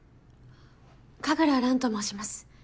神楽蘭と申します。